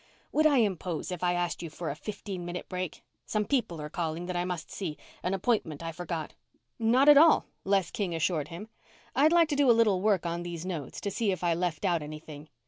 "Would I impose if I asked you for a fifteen minute break? Some people are calling that I must see an appointment I forgot." "Not at all," Les King assured him. "I'd like to do a little work on these notes to see if I left out anything."